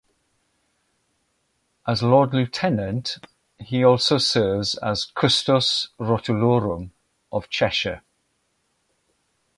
As Lord Lieutenant He also serves as Custos Rotulorum of Cheshire.